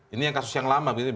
ini kasus yang lama